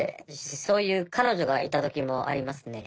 そういう彼女がいた時もありますね」。